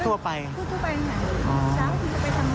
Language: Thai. คนทั่วไปไหนเช้าไปทำงาน